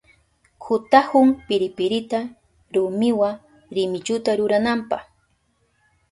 Kutahun piripirita rumiwa rimilluta rurananpa.